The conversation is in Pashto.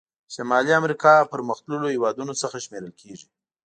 شمالي امریکا پرمختللو هېوادونو څخه شمیرل کیږي.